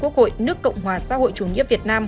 quốc hội nước cộng hòa xã hội chủ nghĩa việt nam